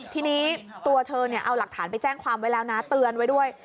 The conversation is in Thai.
ทีนี้ตัวเธอเอาหลักฐานไปแจ้งความเตือนไปด้วย